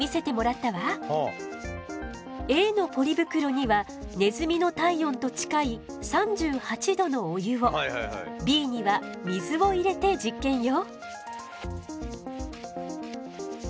Ａのポリ袋にはネズミの体温と近い３８度のお湯をＢには水を入れて実験よ。